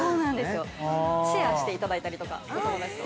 シェアしていただいたりとかお友達と。